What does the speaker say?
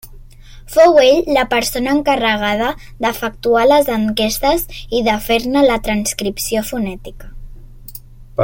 Fou ell la persona encarregada d'efectuar les enquestes i de fer-ne la transcripció fonètica.